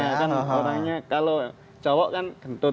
iya kan orangnya kalau cowok kan kentut